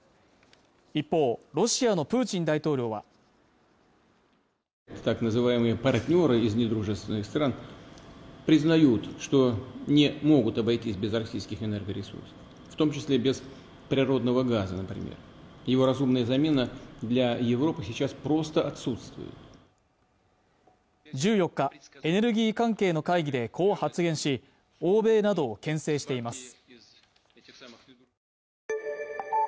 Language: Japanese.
一方ロシアのプーチン大統領は１４日エネルギー関係の会議でこう発言し欧米などをけん制しています